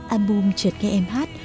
album trượt nghe em hát